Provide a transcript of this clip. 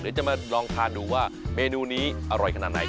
เดี๋ยวจะมาลองทานดูว่าเมนูนี้อร่อยขนาดไหน